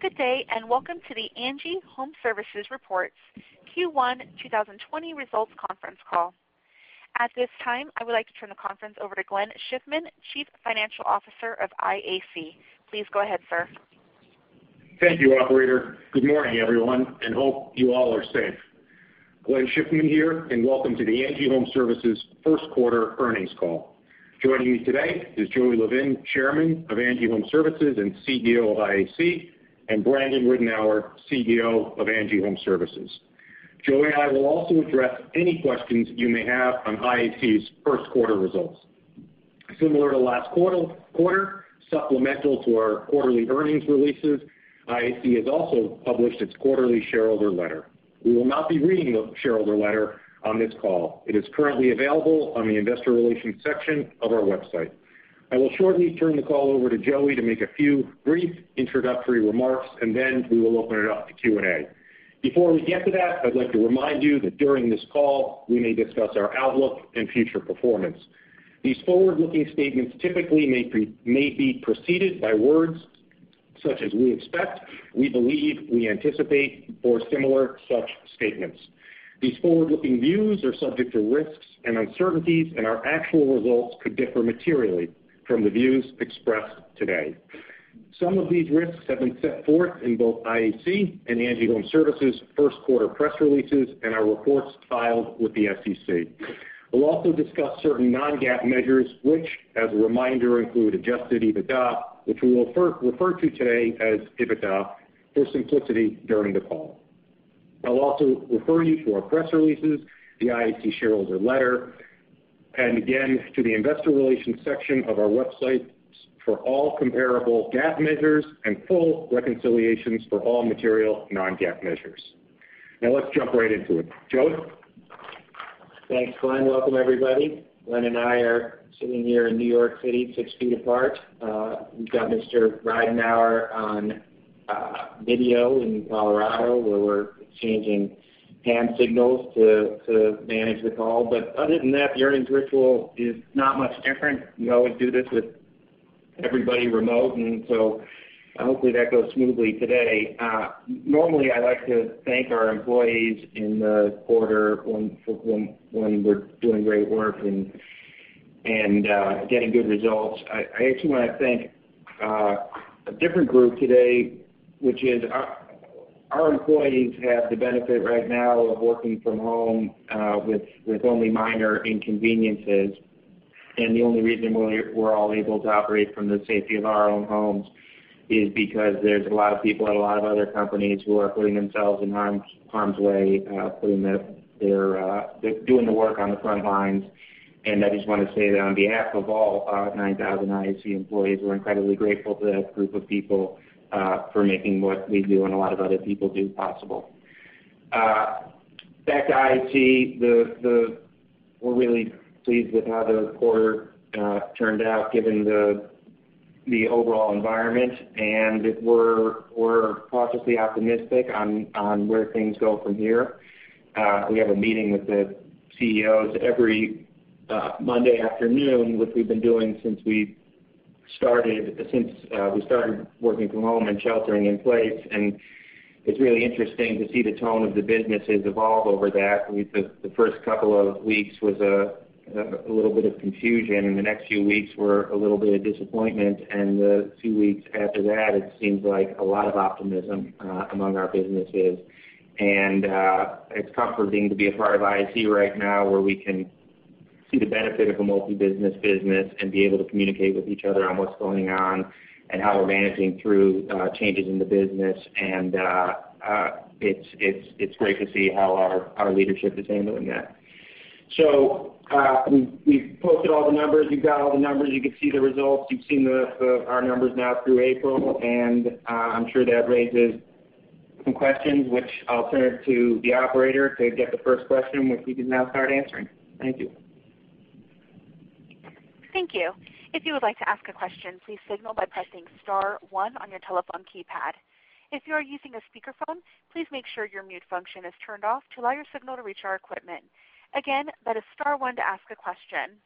Good day, and welcome to the ANGI Homeservices Report's Q1 2020 Results Conference Call. At this time, I would like to turn the conference over to Glenn Schiffman, Chief Financial Officer of IAC. Please go ahead, sir. Thank you, operator. Good morning, everyone, and hope you all are safe. Glenn Schiffman here, and welcome to the ANGI Homeservices first quarter earnings call. Joining me today is Joey Levin, Chairman of ANGI Homeservices and CEO of IAC, and Brandon Ridenour, CEO of ANGI Homeservices. Joey and I will also address any questions you may have on IAC's first quarter results. Similar to last quarter, supplemental to our quarterly earnings releases, IAC has also published its quarterly shareholder letter. We will not be reading the shareholder letter on this call. It is currently available on the investor relations section of our website. I will shortly turn the call over to Joey to make a few brief introductory remarks, and then we will open it up to Q&A. Before we get to that, I'd like to remind you that during this call, we may discuss our outlook and future performance. These forward-looking statements typically may be preceded by words such as "we expect," "we believe," "we anticipate," or similar such statements. These forward-looking views are subject to risks and uncertainties. Our actual results could differ materially from the views expressed today. Some of these risks have been set forth in both IAC and ANGI Homeservices' first quarter press releases and our reports filed with the SEC. We'll also discuss certain non-GAAP measures, which, as a reminder, include adjusted EBITDA, which we will refer to today as EBITDA for simplicity during the call. I'll also refer you to our press releases, the IAC shareholder letter, and again, to the investor relations section of our websites for all comparable GAAP measures and full reconciliations for all material non-GAAP measures. Now let's jump right into it. Joey. Thanks, Glenn. Welcome, everybody. Glenn and I are sitting here in New York City, six feet apart. We've got Mr. Ridenour on video in Colorado, where we're exchanging hand signals to manage the call. Other than that, the earnings ritual is not much different. We always do this with everybody remote, hopefully that goes smoothly today. Normally, I like to thank our employees in the quarter when we're doing great work and getting good results. I actually want to thank a different group today, which is our employees have the benefit right now of working from home with only minor inconveniences. The only reason we're all able to operate from the safety of our own homes is because there's a lot of people at a lot of other companies who are putting themselves in harm's way, doing the work on the front lines. I just want to say that on behalf of all 9,000 IAC employees, we're incredibly grateful to that group of people for making what we do and a lot of other people do possible. Back to IAC, we're really pleased with how the quarter turned out given the overall environment, and we're cautiously optimistic on where things go from here. We have a meeting with the CEOs every Monday afternoon, which we've been doing since we started working from home and sheltering in place. It's really interesting to see the tone of the businesses evolve over that. The first couple of weeks was a little bit of confusion, and the next few weeks were a little bit of disappointment, and the two weeks after that, it seems like a lot of optimism among our businesses. It's comforting to be a part of IAC right now, where we can see the benefit of a multi-business business and be able to communicate with each other on what's going on and how we're managing through changes in the business. It's great to see how our leadership is handling that. We've posted all the numbers. You've got all the numbers. You can see the results. You've seen our numbers now through April, and I'm sure that raises some questions, which I'll turn it to the operator to get the first question, which we can now start answering. Thank you. Thank you. If you would like to ask a question, please signal by pressing star one on your telephone keypad. If you are using a speakerphone, please make sure your mute function is turned off to allow your signal to reach our equipment. Again, that is star one to ask a question.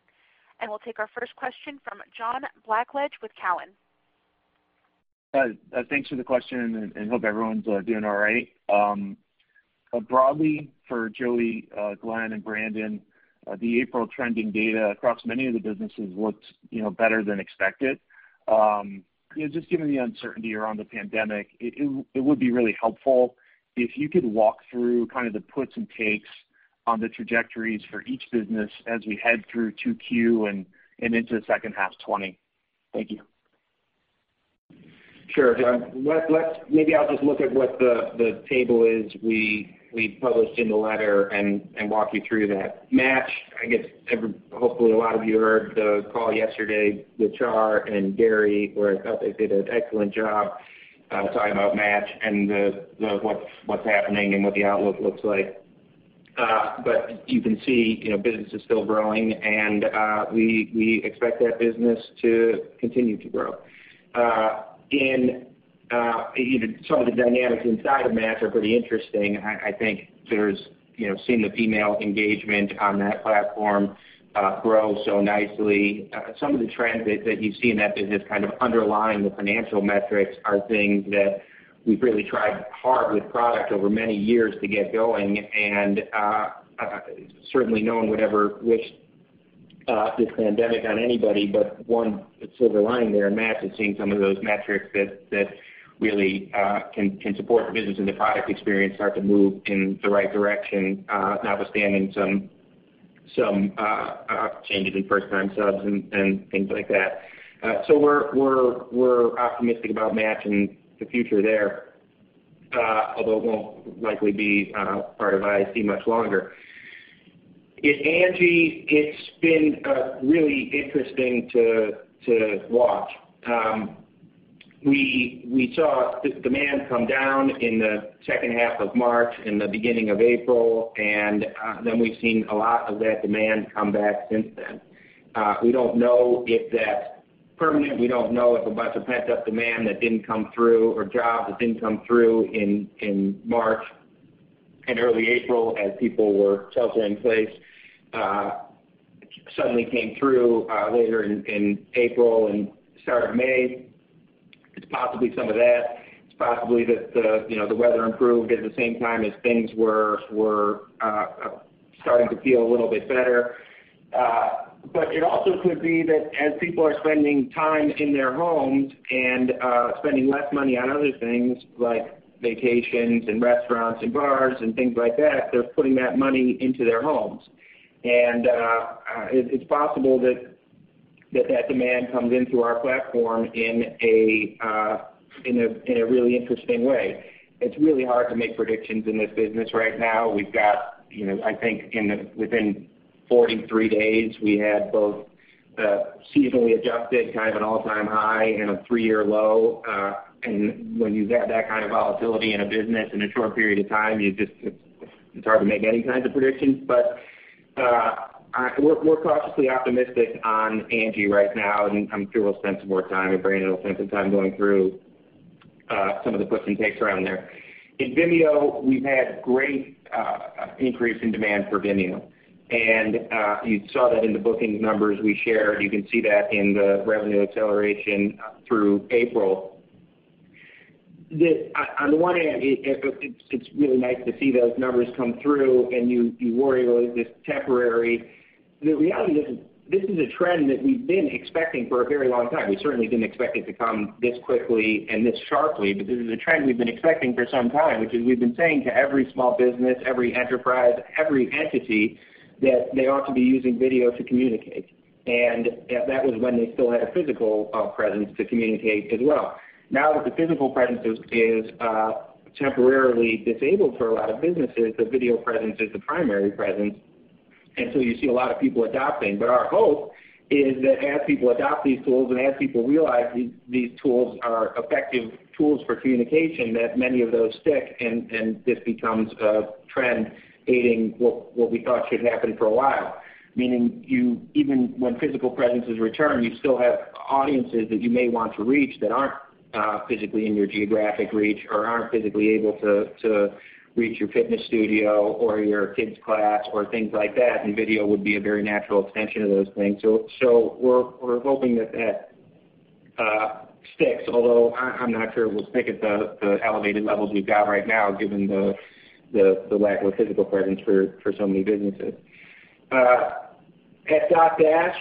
We'll take our first question from John Blackledge with Cowen. Thanks for the question, and hope everyone's doing all right. Broadly, for Joey, Glenn, and Brandon, the April trending data across many of the businesses looked better than expected. Just given the uncertainty around the pandemic, it would be really helpful if you could walk through kind of the puts and takes on the trajectories for each business as we head through 2Q and into the second half 2020. Thank you. Sure, John. Maybe I'll just look at what the table is we published in the letter and walk you through that. Match, I guess hopefully a lot of you heard the call yesterday with Shar and Gary, where I thought they did an excellent job talking about Match and what's happening and what the outlook looks like. You can see business is still growing, and we expect that business to continue to grow. And even some of the dynamics inside of Match are pretty interesting. I think seeing the female engagement on that platform grow so nicely. Some of the trends that you see in that business kind of underlying the financial metrics are things that we've really tried hard with product over many years to get going. Certainly no one would ever wish this pandemic on anybody, but one silver lining there in Match is seeing some of those metrics that really can support the business and the product experience start to move in the right direction notwithstanding some changes in first-time subs and things like that. We're optimistic about Match and the future there, although it won't likely be part of IAC much longer. In ANGI, it's been really interesting to watch. We saw demand come down in the second half of March and the beginning of April, and then we've seen a lot of that demand come back since then. We don't know if that's permanent. We don't know if a bunch of pent-up demand that didn't come through, or jobs that didn't come through in March and early April as people were shelter in place, suddenly came through later in April and start of May. It's possibly some of that. It's possibly that the weather improved at the same time as things were starting to feel a little bit better. It also could be that as people are spending time in their homes and spending less money on other things like vacations and restaurants and bars and things like that, they're putting that money into their homes. It's possible that that demand comes into our platform in a really interesting way. It's really hard to make predictions in this business right now. I think within 43 days, we had both seasonally adjusted, kind of an all-time high and a three-year low. When you've got that kind of volatility in a business in a short period of time, it's hard to make any kinds of predictions. We're cautiously optimistic on ANGI right now, and I'm sure we'll spend some more time, and Brandon will spend some time going through some of the puts and takes around there. In Vimeo, we've had great increase in demand for Vimeo, and you saw that in the bookings numbers we shared. You can see that in the revenue acceleration through April. On the one hand, it's really nice to see those numbers come through and you worry, well, is this temporary? The reality is this is a trend that we've been expecting for a very long time. We certainly didn't expect it to come this quickly and this sharply, but this is a trend we've been expecting for some time, which is we've been saying to every small business, every enterprise, every entity, that they ought to be using video to communicate. That was when they still had a physical presence to communicate as well. Now that the physical presence is temporarily disabled for a lot of businesses, the video presence is the primary presence, and so you see a lot of people adopting. Our hope is that as people adopt these tools and as people realize these tools are effective tools for communication, that many of those stick and this becomes a trend aiding what we thought should happen for a while, meaning even when physical presence is returned, you still have audiences that you may want to reach that aren't physically in your geographic reach or aren't physically able to reach your fitness studio or your kids' class or things like that, and video would be a very natural extension of those things. We're hoping that that sticks, although I'm not sure we'll stick at the elevated levels we've got right now given the lack of a physical presence for so many businesses. At Dotdash,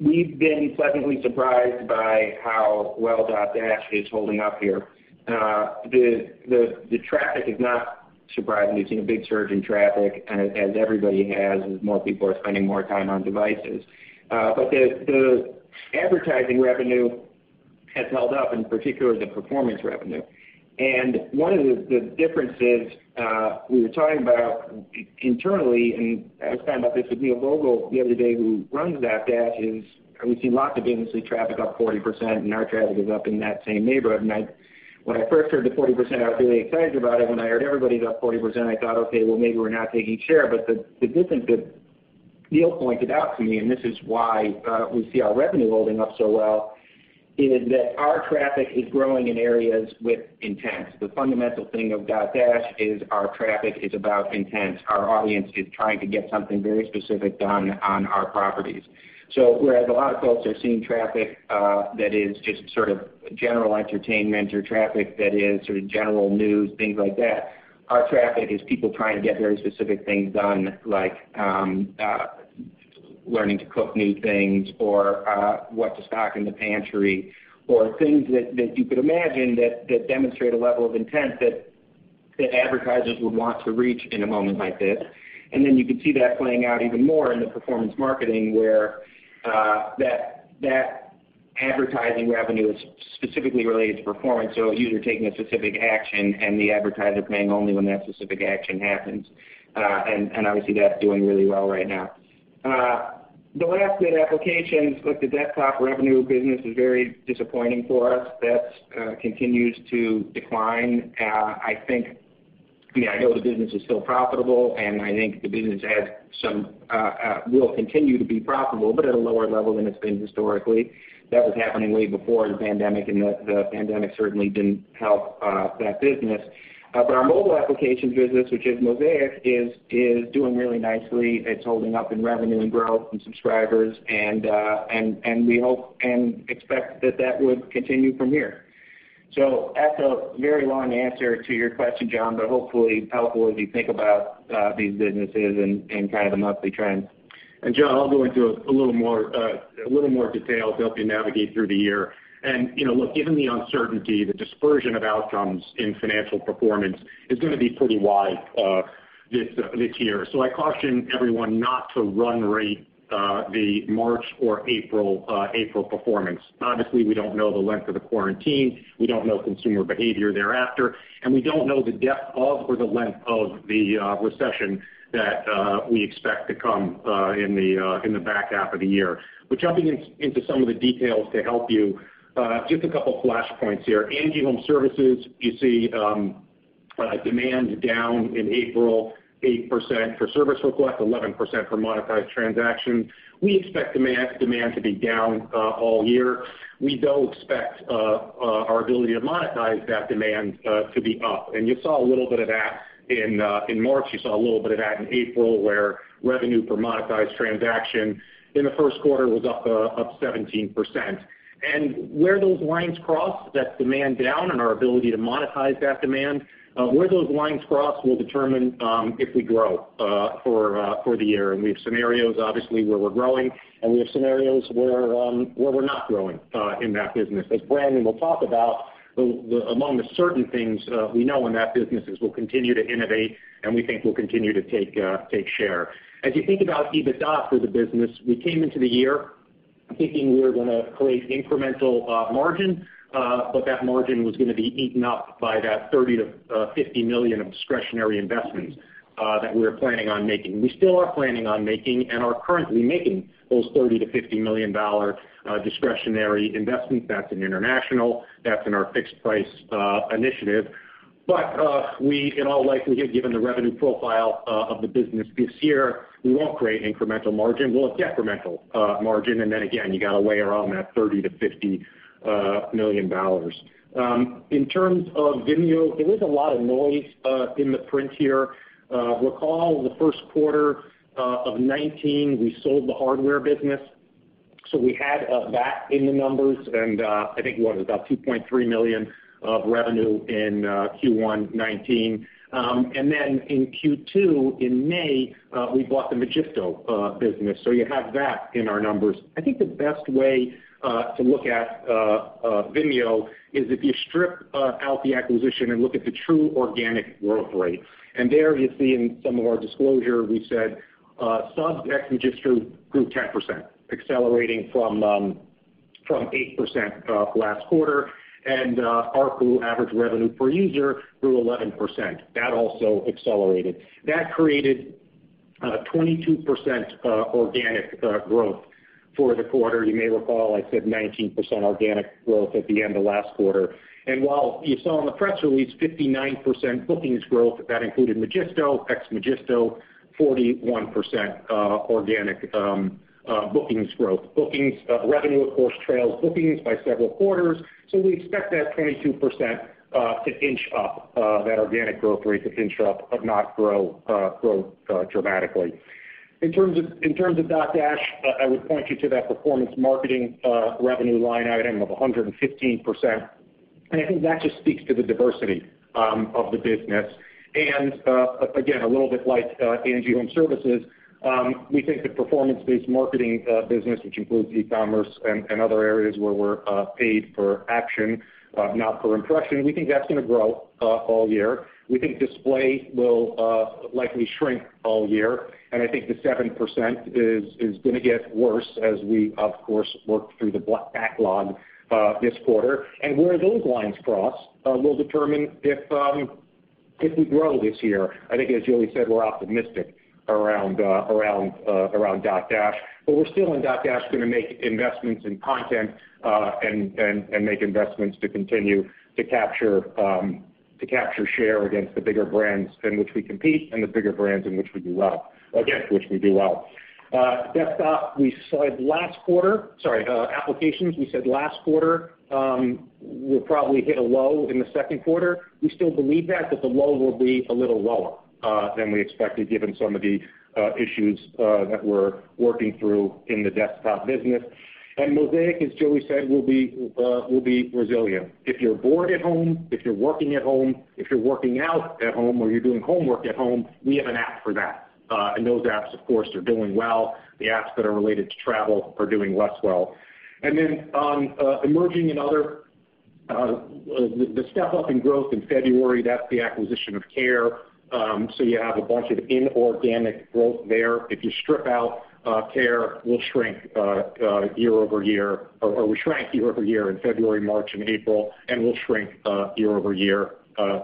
we've been pleasantly surprised by how well Dotdash is holding up here. The traffic is not surprising. We've seen a big surge in traffic as everybody has, as more people are spending more time on devices. The advertising revenue has held up, in particular the performance revenue. One of the differences we were talking about internally, and I was talking about this with Neil Vogel the other day, who runs Dotdash, is we see lots of industry traffic up 40%, and our traffic is up in that same neighborhood. When I first heard the 40%, I was really excited about it. When I heard everybody's up 40%, I thought, "Okay, well, maybe we're not taking share." The difference that Neil pointed out to me, and this is why we see our revenue holding up so well, is that our traffic is growing in areas with intent. The fundamental thing of Dotdash is our traffic is about intent. Our audience is trying to get something very specific done on our properties. Whereas a lot of folks are seeing traffic that is just sort of general entertainment or traffic that is sort of general news, things like that, our traffic is people trying to get very specific things done, like learning to cook new things or what to stock in the pantry or things that you could imagine that demonstrate a level of intent that advertisers would want to reach in a moment like this. You can see that playing out even more in the performance marketing where that advertising revenue is specifically related to performance, so a user taking a specific action and the advertiser paying only when that specific action happens. Obviously, that's doing really well right now. The last bit, applications. Look, the desktop revenue business is very disappointing for us. That continues to decline. Yeah, I know the business is still profitable, and I think the business will continue to be profitable, but at a lower level than it's been historically. That was happening way before the pandemic, and the pandemic certainly didn't help that business. Our mobile applications business, which is Mosaic, is doing really nicely. It's holding up in revenue and growth and subscribers, and we hope and expect that that would continue from here. That's a very long answer to your question, John, but hopefully helpful as you think about these businesses and the monthly trends. John, I'll go into a little more detail to help you navigate through the year. Look, given the uncertainty, the dispersion of outcomes in financial performance is going to be pretty wide this year. I caution everyone not to run rate the March or April performance. Obviously, we don't know the length of the quarantine, we don't know consumer behavior thereafter, and we don't know the depth of or the length of the recession that we expect to come in the back half of the year. Jumping into some of the details to help you, just a couple of flashpoints here. ANGI Homeservices, you see demand down in April 8% for service requests, 11% for monetized transactions. We expect demand to be down all year. We don't expect our ability to monetize that demand to be up. You saw a little bit of that in March. You saw a little bit of that in April, where revenue per monetized transaction in the first quarter was up 17%. Where those lines cross, that demand down and our ability to monetize that demand, where those lines cross will determine if we grow for the year. We have scenarios, obviously, where we're growing, and we have scenarios where we're not growing in that business. As Brandon will talk about, among the certain things we know in that business is we'll continue to innovate, and we think we'll continue to take share. As you think about EBITDA for the business, we came into the year thinking we were going to create incremental margin, but that margin was going to be eaten up by that $30 million-$50 million of discretionary investments that we were planning on making. We still are planning on making and are currently making those $30 million-$50 million discretionary investments. That's in international, that's in our fixed price initiative. We in all likelihood, given the revenue profile of the business this year, we won't create incremental margin. We'll have decremental margin. Again, you got to weigh around that $30 million-$50 million. In terms of Vimeo, there is a lot of noise in the print here. Recall the first quarter of 2019, we sold the hardware business. We had that in the numbers and I think, what, it was about $2.3 million of revenue in Q1 2019. In Q2, in May, we bought the Magisto business, so you have that in our numbers. I think the best way to look at Vimeo is if you strip out the acquisition and look at the true organic growth rate. There you see in some of our disclosure, we said subs ex Magisto grew 10%, accelerating from 8% last quarter, and ARPU, average revenue per user, grew 11%. That also accelerated. That created a 22% organic growth for the quarter. You may recall, I said 19% organic growth at the end of last quarter. While you saw in the press release 59% bookings growth, that included Magisto, ex Magisto, 41% organic bookings growth. Revenue, of course, trails bookings by several quarters. We expect that 22% to inch up, that organic growth rate to inch up, but not grow dramatically. In terms of Dotdash, I would point you to that performance marketing revenue line item of 115%. I think that just speaks to the diversity of the business. Again, a little bit like ANGI Homeservices, we think the performance-based marketing business, which includes e-commerce and other areas where we're paid per action, not per impression, we think that's going to grow all year. We think display will likely shrink all year. I think the 7% is going to get worse as we, of course, work through the backlog this quarter. Where those lines cross will determine if we grow this year. I think as Joey said, we're optimistic around Dotdash. We're still, in Dotdash, going to make investments in content and make investments to continue to capture share against the bigger brands in which we compete and the bigger brands in which we do well. Applications, we said last quarter will probably hit a low in the second quarter. We still believe that, but the low will be a little lower than we expected given some of the issues that we're working through in the desktop business. Mosaic, as Joey said, will be resilient. If you're bored at home, if you're working at home, if you're working out at home, or you're doing homework at home, we have an app for that. Those apps, of course, are doing well. The apps that are related to travel are doing less well. Emerging and other, the step-up in growth in February, that's the acquisition of Care. You have a bunch of inorganic growth there. If you strip out Care, we'll shrink year-over-year, or we shrank year-over-year in February, March, and April, and we'll shrink year-over-year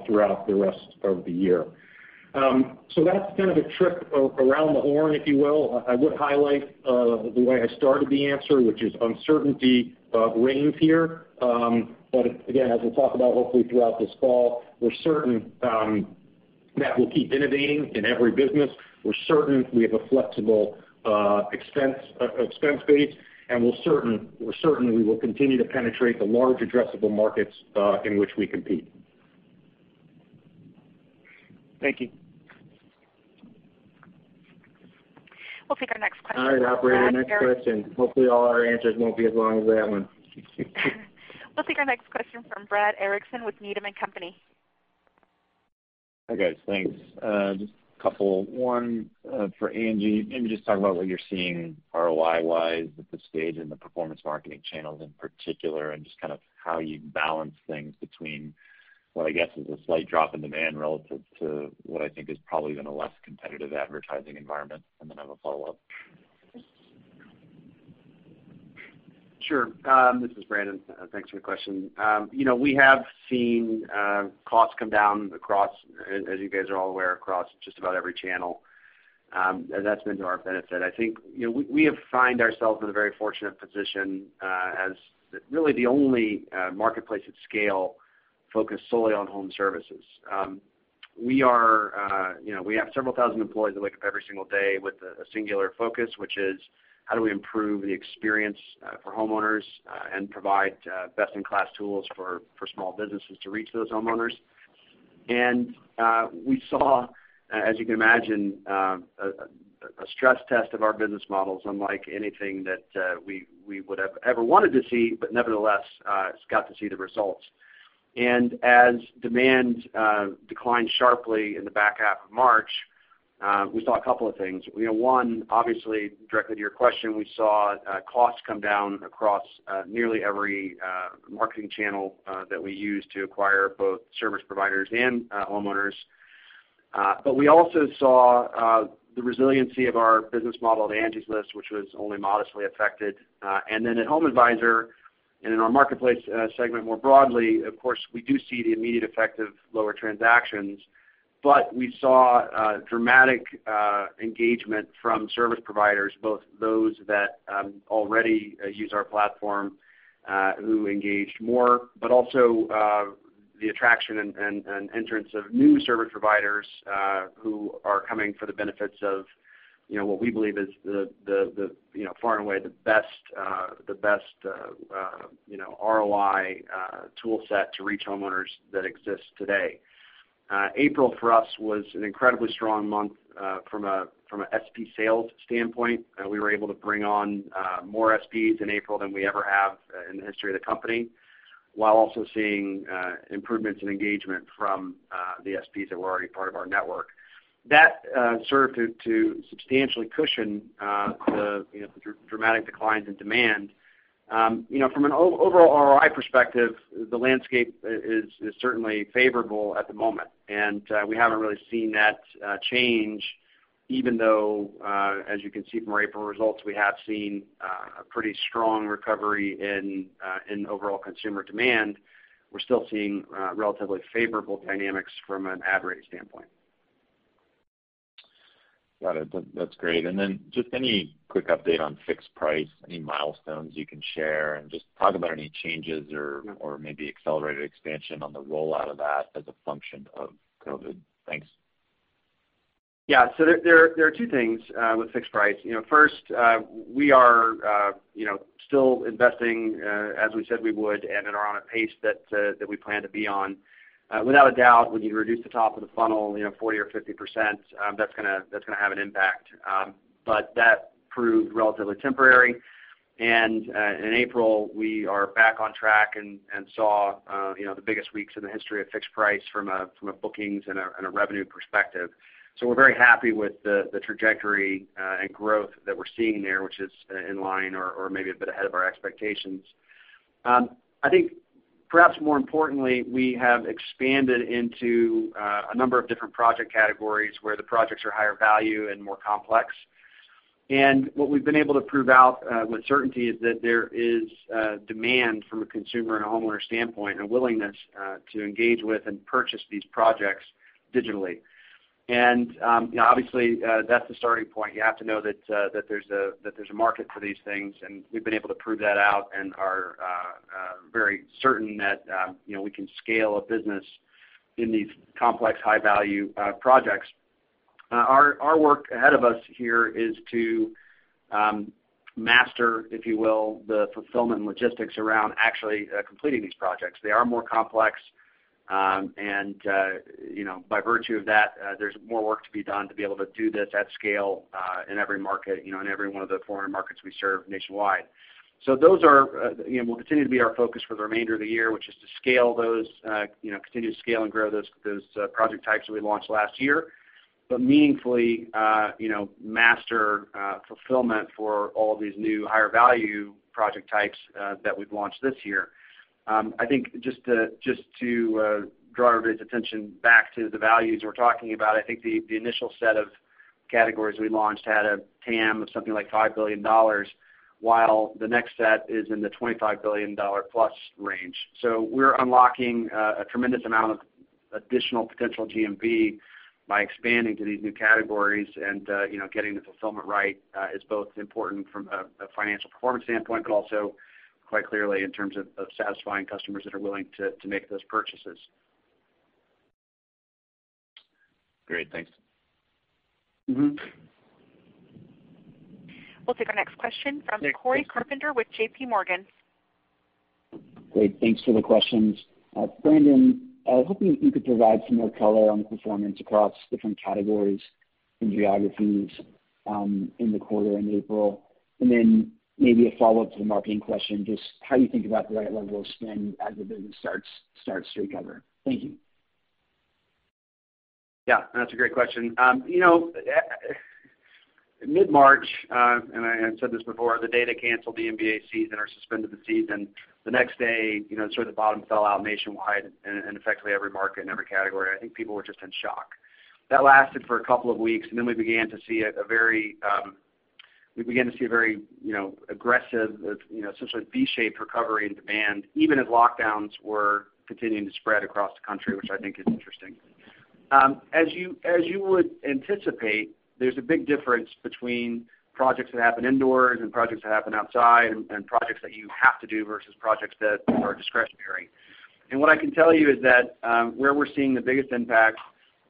throughout the rest of the year. That's kind of a trip around the horn, if you will. I would highlight the way I started the answer, which is uncertainty reigns here. Again, as we'll talk about hopefully throughout this call, we're certain that we'll keep innovating in every business. We're certain we have a flexible expense base, and we're certain we will continue to penetrate the large addressable markets in which we compete. Thank you. We'll take our next question from Brad. All right, operator. Next question. Hopefully all our answers won't be as long as that one. We'll take our next question from Brad Erickson with Needham & Company. Hi, guys. Thanks. Just a couple. One for ANGI. Maybe just talk about what you're seeing ROI-wise at this stage in the performance marketing channels in particular, and just how you balance things between what I guess is a slight drop in demand relative to what I think has probably been a less competitive advertising environment. I have a follow-up. Sure. This is Brandon. Thanks for the question. We have seen costs come down, as you guys are all aware, across just about every channel. That's been to our benefit. I think we have found ourselves in a very fortunate position as really the only marketplace at scale focused solely on home services. We have several thousand employees that wake up every single day with a singular focus, which is how do we improve the experience for homeowners and provide best-in-class tools for small businesses to reach those homeowners. We saw, as you can imagine, a stress test of our business models unlike anything that we would have ever wanted to see, nevertheless, got to see the results. As demand declined sharply in the back half of March, we saw a couple of things. One, obviously directly to your question, we saw costs come down across nearly every marketing channel that we use to acquire both service providers and homeowners. We also saw the resiliency of our business model at Angie's List, which was only modestly affected. At HomeAdvisor and in our marketplace segment more broadly, of course, we do see the immediate effect of lower transactions. We saw a dramatic engagement from service providers, both those that already use our platform who engaged more. Also the attraction and entrance of new service providers who are coming for the benefits of what we believe is far and away the best ROI toolset to reach homeowners that exists today. April for us was an incredibly strong month from a SP sales standpoint. We were able to bring on more SPs in April than we ever have in the history of the company, while also seeing improvements in engagement from the SPs that were already part of our network. That served to substantially cushion the dramatic declines in demand. From an overall ROI perspective, the landscape is certainly favorable at the moment. We haven't really seen that change, even though, as you can see from our April results, we have seen a pretty strong recovery in overall consumer demand. We're still seeing relatively favorable dynamics from an ad rate standpoint. Got it. That's great. Just any quick update on fixed price, any milestones you can share, and just talk about any changes or maybe accelerated expansion on the rollout of that as a function of COVID. Thanks. Yeah. There are two things with fixed price. First, we are still investing as we said we would, and are on a pace that we plan to be on. Without a doubt, when you reduce the top of the funnel 40% or 50%, that's going to have an impact. That proved relatively temporary. In April, we are back on track and saw the biggest weeks in the history of fixed price from a bookings and a revenue perspective. We're very happy with the trajectory and growth that we're seeing there, which is in line or maybe a bit ahead of our expectations. I think perhaps more importantly, we have expanded into a number of different project categories where the projects are higher value and more complex. What we've been able to prove out with certainty is that there is demand from a consumer and a homeowner standpoint, and willingness to engage with and purchase these projects digitally. Obviously, that's the starting point. You have to know that there's a market for these things, and we've been able to prove that out and are very certain that we can scale a business in these complex, high-value projects. Our work ahead of us here is to master, if you will, the fulfillment and logistics around actually completing these projects. They are more complex. By virtue of that, there's more work to be done to be able to do this at scale in every one of the 400 markets we serve nationwide. Those will continue to be our focus for the remainder of the year, which is to continue to scale and grow those project types that we launched last year, but meaningfully master fulfillment for all of these new higher-value project types that we've launched this year. I think just to draw everybody's attention back to the values we're talking about, I think the initial set of categories we launched had a TAM of something like $5 billion, while the next set is in the $25 billion+ range. We're unlocking a tremendous amount of additional potential GMV by expanding to these new categories, and getting the fulfillment right is both important from a financial performance standpoint, but also quite clearly in terms of satisfying customers that are willing to make those purchases. Great. Thanks. We'll take our next question from Cory Carpenter with JPMorgan. Great. Thanks for the questions. Brandon, I was hoping you could provide some more color on the performance across different categories and geographies in the quarter in April. Maybe a follow-up to the marketing question, just how you think about the right level of spend as the business starts to recover. Thank you. Yeah, that's a great question. Mid-March, I said this before, the day they canceled the NBA season or suspended the season, the next day, sort of the bottom fell out nationwide and effectively every market and every category. I think people were just in shock. That lasted for a couple of weeks, then we began to see a very aggressive, essentially V-shaped recovery in demand, even as lockdowns were continuing to spread across the country, which I think is interesting. As you would anticipate, there's a big difference between projects that happen indoors and projects that happen outside, and projects that you have to do versus projects that are discretionary. What I can tell you is that where we're seeing the biggest impact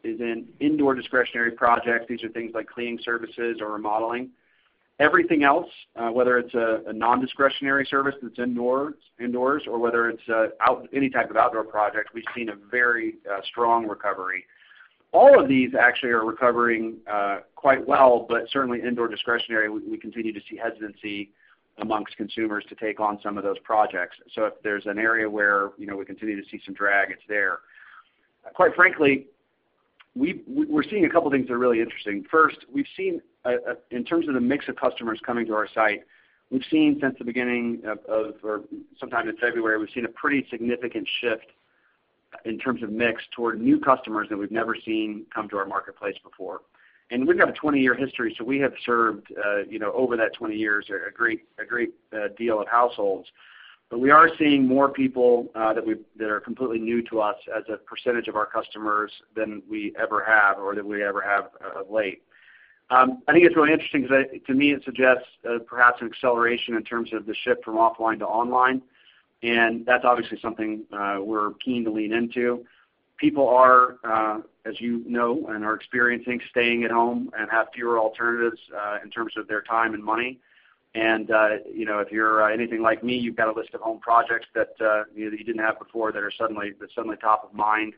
is in indoor discretionary projects. These are things like cleaning services or remodeling. Everything else, whether it's a non-discretionary service that's indoors or whether it's any type of outdoor project, we've seen a very strong recovery. All of these actually are recovering quite well, certainly indoor discretionary, we continue to see hesitancy amongst consumers to take on some of those projects. If there's an area where we continue to see some drag, it's there. Quite frankly, we're seeing a couple of things that are really interesting. First, in terms of the mix of customers coming to our site, we've seen since the beginning of, or sometime in February, we've seen a pretty significant shift in terms of mix toward new customers that we've never seen come to our marketplace before. We've got a 20-year history, so we have served over that 20 years, a great deal of households. We are seeing more people that are completely new to us as a percentage of our customers than we ever have, or that we ever have of late. I think it is really interesting because to me, it suggests perhaps an acceleration in terms of the shift from offline to online, and that is obviously something we are keen to lean into. People are, as you know and are experiencing, staying at home and have fewer alternatives in terms of their time and money. If you are anything like me, you have got a list of home projects that you did not have before that are suddenly top of mind.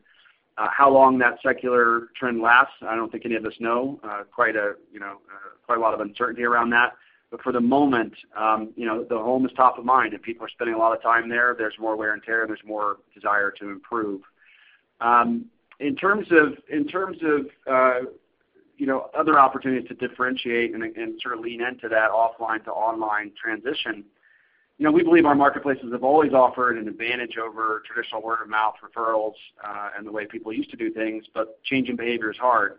How long that secular trend lasts, I do not think any of us know. Quite a lot of uncertainty around that. For the moment, the home is top of mind, and people are spending a lot of time there. There is more wear and tear. There's more desire to improve. In terms of other opportunities to differentiate and sort of lean into that offline to online transition, we believe our marketplaces have always offered an advantage over traditional word-of-mouth referrals and the way people used to do things, but changing behavior is hard.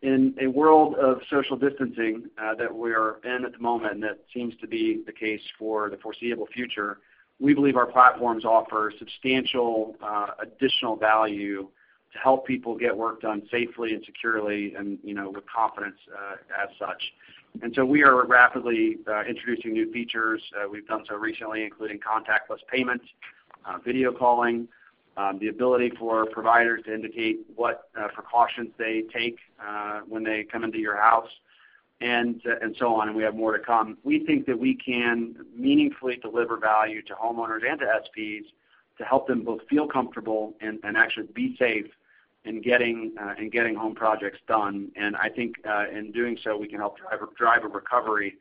In a world of social distancing that we are in at the moment, and that seems to be the case for the foreseeable future, we believe our platforms offer substantial additional value to help people get work done safely and securely and with confidence as such. We are rapidly introducing new features. We've done so recently, including contactless payments, video calling, the ability for providers to indicate what precautions they take when they come into your house, and so on, and we have more to come. We think that we can meaningfully deliver value to homeowners and to SPs to help them both feel comfortable and actually be safe in getting home projects done. I think in doing so, we can help drive a recovery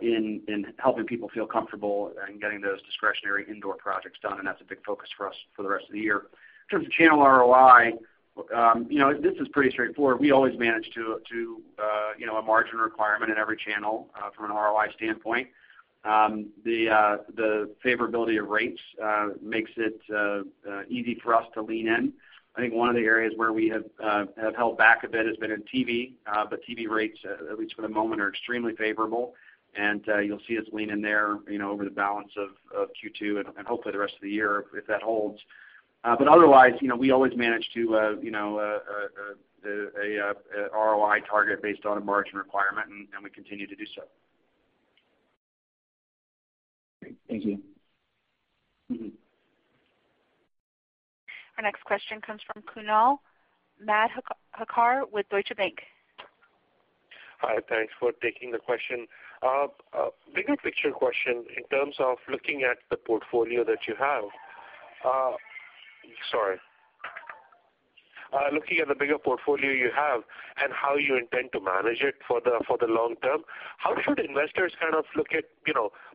in helping people feel comfortable in getting those discretionary indoor projects done. That's a big focus for us for the rest of the year. In terms of channel ROI, this is pretty straightforward. We always manage to a margin requirement in every channel from an ROI standpoint. The favorability of rates makes it easy for us to lean in. I think one of the areas where we have held back a bit has been in TV, but TV rates, at least for the moment, are extremely favorable, and you'll see us lean in there over the balance of Q2 and hopefully the rest of the year if that holds. Otherwise, we always manage to a ROI target based on a margin requirement, and we continue to do so. Great. Thank you. Our next question comes from Kunal Madhukar with Deutsche Bank. Hi. Thanks for taking the question. A bigger picture question in terms of looking at the portfolio that you have. Sorry. Looking at the bigger portfolio you have and how you intend to manage it for the long term, how should investors kind of look at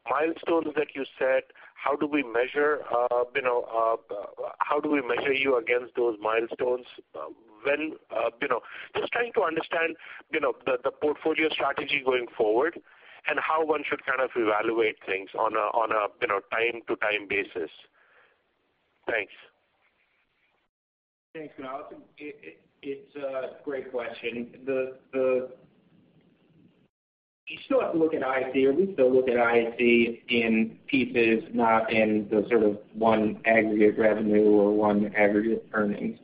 milestones that you set? How do we measure you against those milestones? Just trying to understand the portfolio strategy going forward and how one should kind of evaluate things on a time-to-time basis. Thanks. Thanks, Kunal. It's a great question. You still have to look at IAC. We still look at IAC in pieces, not in the sort of one aggregate revenue or one aggregate earnings.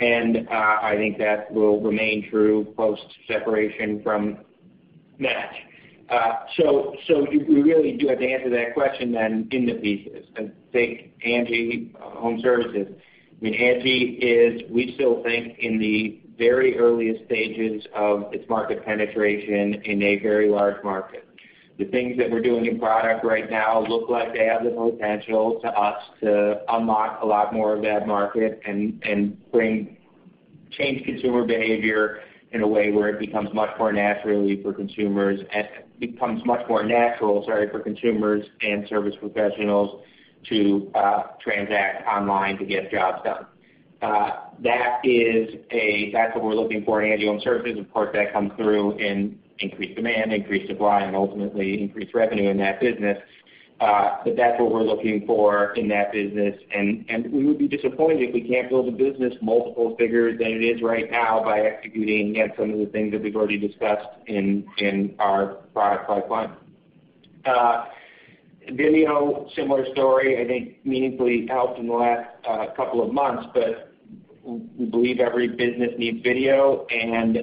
I think that will remain true post-separation from Match. We really do have to answer that question then in the pieces and think ANGI Homeservices. I mean, ANGI, we still think, is in the very earliest stages of its market penetration in a very large market. The things that we're doing in product right now look like they have the potential to us to unlock a lot more of that market and change consumer behavior in a way where it becomes much more natural for consumers and service professionals to transact online to get jobs done. That's what we're looking for in ANGI Homeservices. Of course, that comes through in increased demand, increased supply, and ultimately increased revenue in that business. That's what we're looking for in that business, and we would be disappointed if we can't build a business multiple figures than it is right now by executing against some of the things that we've already discussed in our product pipeline. Vimeo, similar story, I think meaningfully helped in the last couple of months, but we believe every business needs video, and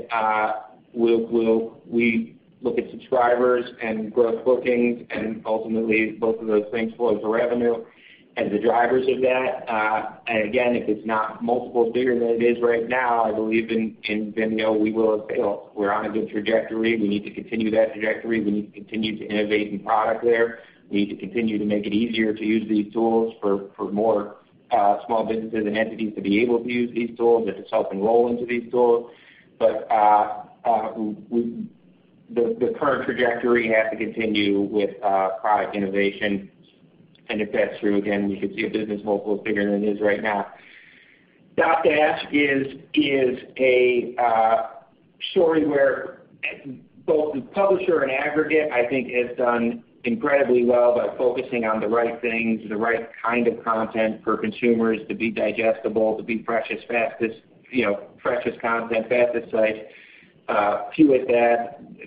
we look at subscribers and gross bookings and ultimately both of those things flow to revenue as the drivers of that. Again, if it's not multiple bigger than it is right now, I believe in Vimeo we will have failed. We're on a good trajectory. We need to continue that trajectory. We need to continue to innovate new product there. We need to continue to make it easier to use these tools for more small businesses and entities to be able to use these tools and to self-enroll into these tools. The current trajectory has to continue with product innovation, and if that's true, again, we could see a business multiple bigger than it is right now. Dotdash is a story where both the publisher and aggregate, I think, has done incredibly well by focusing on the right things, the right kind of content for consumers to be digestible, to be freshest content, fastest sites.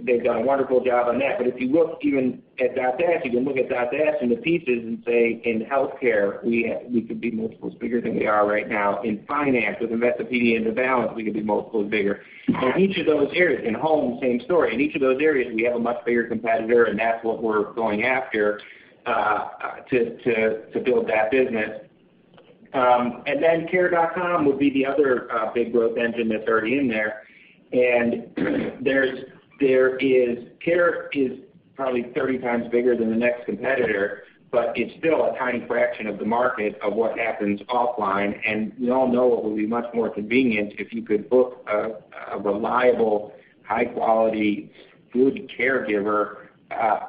They've done a wonderful job on that. If you look even at Dotdash, you can look at Dotdash into pieces and say in healthcare we could be multiples bigger than we are right now. In finance with Investopedia and The Balance, we could be multiples bigger. In each of those areas, in home, same story. In each of those areas, we have a much bigger competitor, and that's what we're going after to build that business. Care.com would be the other big growth engine that's already in there. Care is probably 30 times bigger than the next competitor, but it's still a tiny fraction of the market of what happens offline, and we all know it would be much more convenient if you could book a reliable, high-quality, good caregiver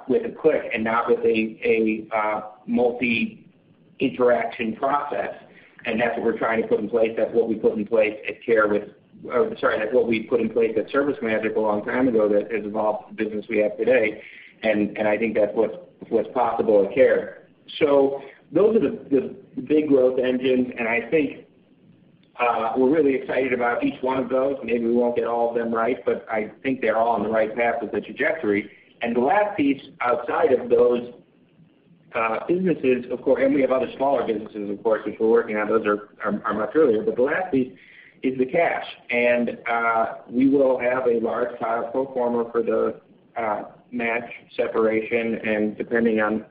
with a click and not with a multi-interaction process. That's what we're trying to put in place. That's what we put in place at ServiceMagic a long time ago that has evolved to the business we have today, and I think that's what's possible at Care. Those are the big growth engines, and I think we're really excited about each one of those. Maybe we won't get all of them right, but I think they're all on the right path with the trajectory. The last piece outside of those businesses, and we have other smaller businesses, of course, which we're working on. Those are much earlier. The last piece is the cash, and we will have a large pile of pro forma for the Match separation, and depending on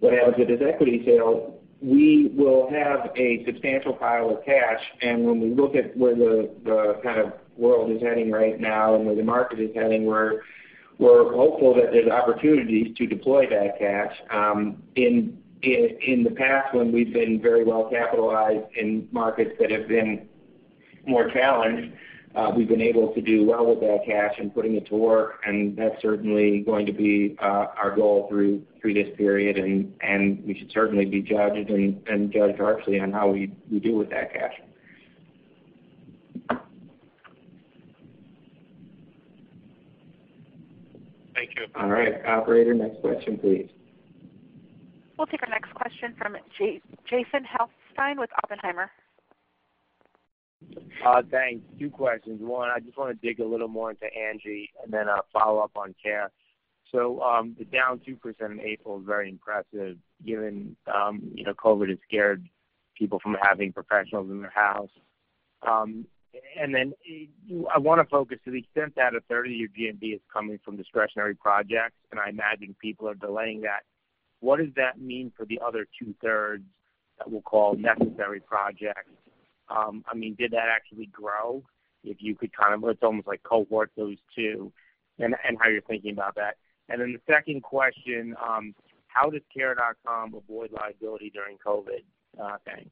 what happens with this equity sale, we will have a substantial pile of cash. When we look at where the kind of world is heading right now and where the market is heading, we're hopeful that there's opportunities to deploy that cash. In the past when we've been very well capitalized in markets that have been more challenged, we've been able to do well with that cash and putting it to work, and that's certainly going to be our goal through this period, and we should certainly be judged and judged harshly on how we do with that cash. Thank you. All right. Operator, next question, please. We'll take our next question from Jason Helfstein with Oppenheimer. Thanks. Two questions. One, I just want to dig a little more into ANGI and then a follow-up on Care. The down 2% in April is very impressive given COVID has scared people from having professionals in their house. I want to focus to the extent that a third of your GMV is coming from discretionary projects, and I imagine people are delaying that. What does that mean for the other 2/3s that we'll call necessary projects? I mean, did that actually grow? If you could kind of almost like cohort those two and how you're thinking about that. The second question, how does Care.com avoid liability during COVID? Thanks.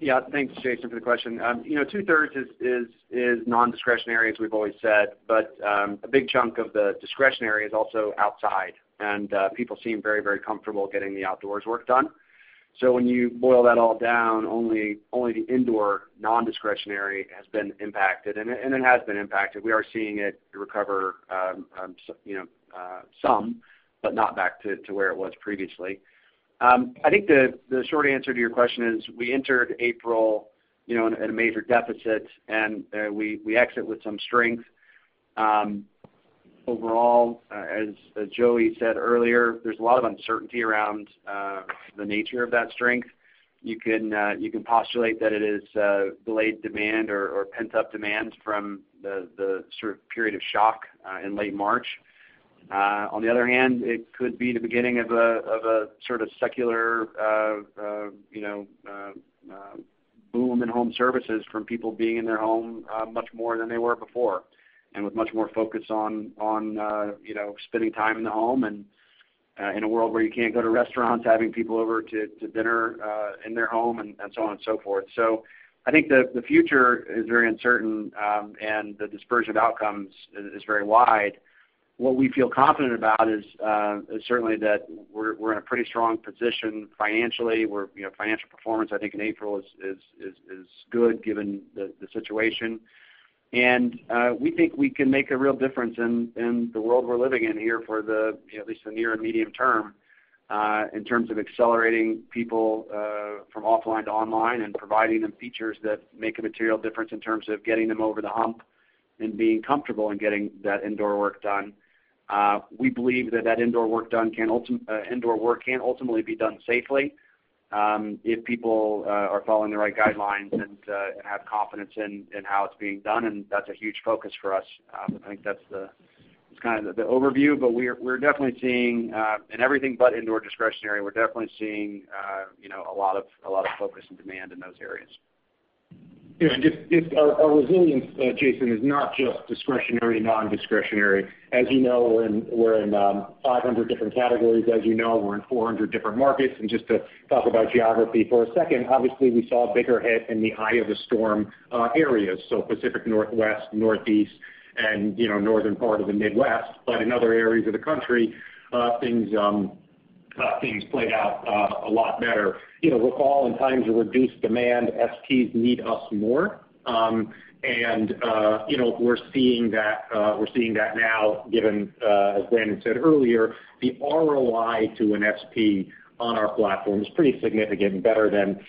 Yeah. Thanks, Jason, for the question. 2/3s is non-discretionary, as we've always said. A big chunk of the discretionary is also outside. People seem very, very comfortable getting the outdoors work done. When you boil that all down, only the indoor non-discretionary has been impacted, and it has been impacted. We are seeing it recover some, but not back to where it was previously. I think the short answer to your question is we entered April in a major deficit, and we exit with some strength. Overall, as Joey said earlier, there's a lot of uncertainty around the nature of that strength. You can postulate that it is delayed demand or pent-up demand from the period of shock in late March. On the other hand, it could be the beginning of a secular boom in home services from people being in their home much more than they were before and with much more focus on spending time in the home and in a world where you can't go to restaurants, having people over to dinner in their home, and so on and so forth. I think the future is very uncertain, and the dispersion of outcomes is very wide. What we feel confident about is certainly that we're in a pretty strong position financially. Financial performance, I think, in April is good given the situation. We think we can make a real difference in the world we're living in here for at least the near and medium term in terms of accelerating people from offline to online and providing them features that make a material difference in terms of getting them over the hump and being comfortable in getting that indoor work done. We believe that that indoor work can ultimately be done safely if people are following the right guidelines and have confidence in how it's being done, and that's a huge focus for us. I think that's the overview, in everything but indoor discretionary, we're definitely seeing a lot of focus and demand in those areas. Our resilience, Jason, is not just discretionary, non-discretionary. As you know, we're in 500 different categories. As you know, we're in 400 different markets. Just to talk about geography for a second, obviously, we saw a bigger hit in the eye of the storm areas, so Pacific Northwest, Northeast, and northern part of the Midwest. In other areas of the country, things played out a lot better. Recall in times of reduced demand, SPs need us more. We're seeing that now given, as Glenn said earlier, the ROI to an SP on our platform is pretty significant and better than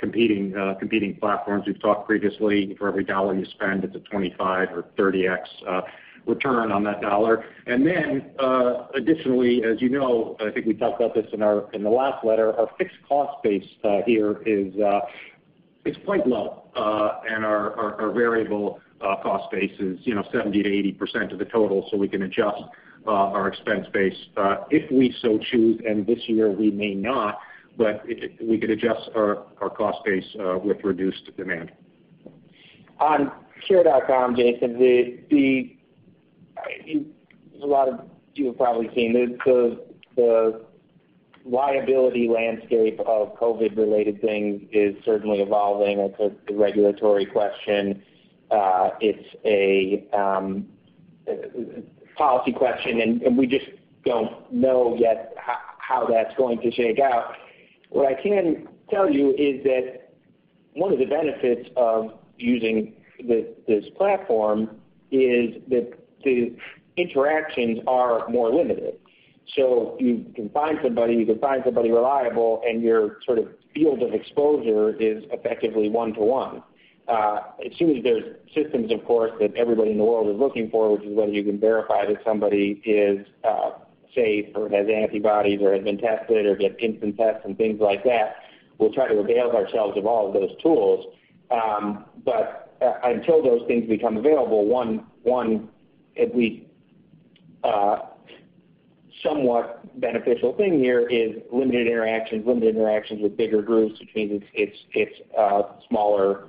competing platforms. We've talked previously, for every dollar you spend, it's a 25x or 30x return on that dollar. Then additionally, as you know, I think we talked about this in the last letter, our fixed cost base here is quite low. Our variable cost base is 70%-80% of the total, so we can adjust our expense base if we so choose. This year, we may not, but we could adjust our cost base with reduced demand. On Care.com, Jason, you have probably seen it, the liability landscape of COVID-related things is certainly evolving. It's a regulatory question. It's a policy question. We just don't know yet how that's going to shake out. What I can tell you is that one of the benefits of using this platform is that the interactions are more limited. You can find somebody reliable and your field of exposure is effectively one-to-one. As soon as there's systems, of course, that everybody in the world is looking for, which is whether you can verify that somebody is safe or has antibodies or has been tested or get instant tests and things like that, we'll try to avail ourselves of all of those tools. Until those things become available, one somewhat beneficial thing here is limited interactions with bigger groups, which means it's a smaller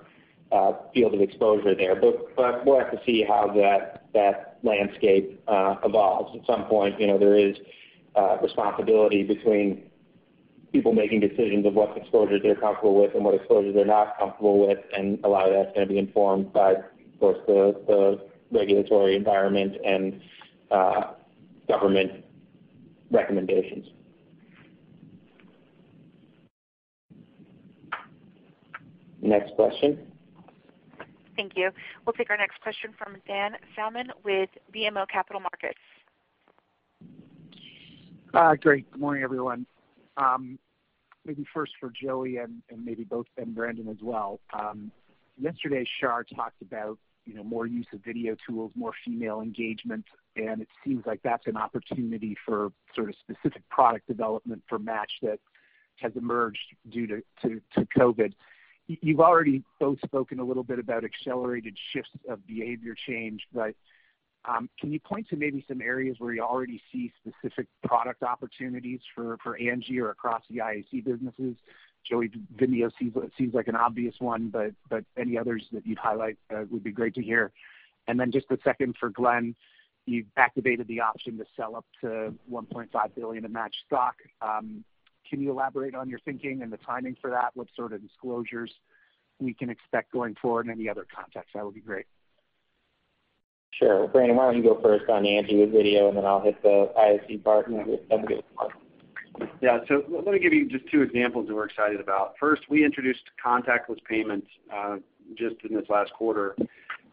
field of exposure there. We'll have to see how that landscape evolves. At some point, there is responsibility between people making decisions of what exposure they're comfortable with and what exposure they're not comfortable with, and a lot of that's going to be informed by both the regulatory environment and government recommendations. Next question. Thank you. We'll take our next question from Dan Salmon with BMO Capital Markets. Great. Good morning, everyone. Maybe first for Joey and maybe both, and Brandon as well. Yesterday, Shar talked about more use of video tools, more female engagement, and it seems like that's an opportunity for specific product development for Match that has emerged due to COVID. You've already both spoken a little bit about accelerated shifts of behavior change, but can you point to maybe some areas where you already see specific product opportunities for ANGI or across the IAC businesses? Joey, Vimeo seems like an obvious one, but any others that you'd highlight would be great to hear. Then just a second for Glenn, you've activated the option to sell up to $1.5 billion of Match stock. Can you elaborate on your thinking and the timing for that? What sort of disclosures we can expect going forward and any other context? That would be great. Sure. Brandon, why don't you go first on the ANGI-with video, and then I'll hit the IAC part, and that'll be good. Yeah. Let me give you just two examples that we're excited about. First, we introduced contactless payments just in this last quarter.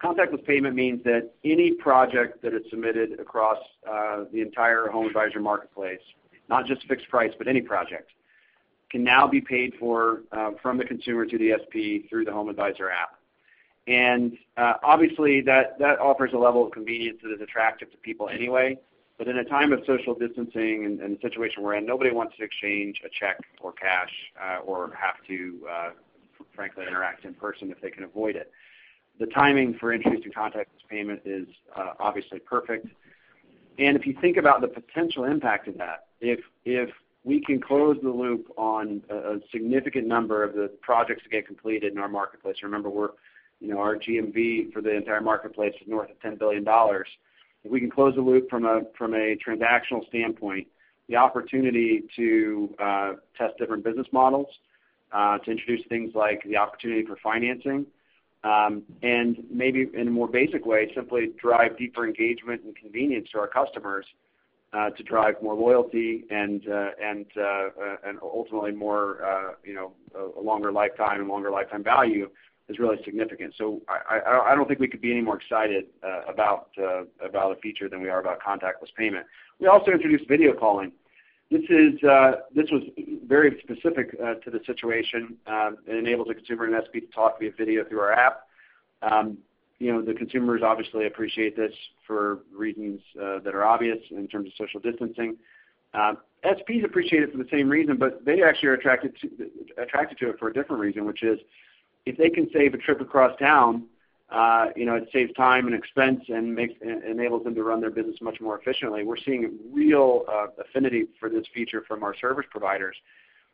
Contactless payment means that any project that is submitted across the entire HomeAdvisor marketplace, not just fixed price, but any project, can now be paid for from the consumer to the SP through the HomeAdvisor app. Obviously, that offers a level of convenience that is attractive to people anyway. In a time of social distancing and the situation we're in, nobody wants to exchange a check or cash, or have to, frankly, interact in person if they can avoid it. The timing for introducing contactless payment is obviously perfect. If you think about the potential impact of that, if we can close the loop on a significant number of the projects that get completed in our marketplace, remember our GMV for the entire marketplace is north of $10 billion. If we can close the loop from a transactional standpoint, the opportunity to test different business models, to introduce things like the opportunity for financing, and maybe in a more basic way, simply drive deeper engagement and convenience to our customers, to drive more loyalty and ultimately a longer lifetime and longer lifetime value is really significant. I don't think we could be any more excited about a feature than we are about contactless payment. We also introduced video calling. This was very specific to the situation. It enables a consumer and SP to talk via video through our app. The consumers obviously appreciate this for reasons that are obvious in terms of social distancing. SPs appreciate it for the same reason, but they actually are attracted to it for a different reason, which is if they can save a trip across town, it saves time and expense and enables them to run their business much more efficiently. We're seeing a real affinity for this feature from our service providers.